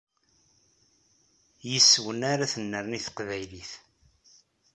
Yes-wen ara tennerni teqbaylit.